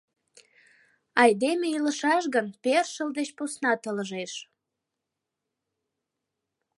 Айдеме илышаш гын, першыл деч поснат ылыжеш.